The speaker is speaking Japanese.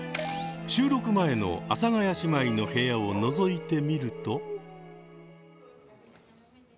収録前の阿佐ヶ谷姉妹の部屋をのぞいてみると。